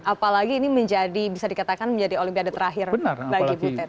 apalagi ini bisa dikatakan menjadi olimpiade terakhir bagi bu tet